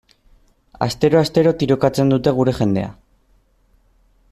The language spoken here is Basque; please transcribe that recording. Astero-astero tirokatzen dute gure jendea.